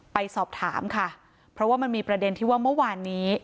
ไปสอบถามค่ะเพราะว่ามันมีประเด็นที่ว่าเมื่อวานนี้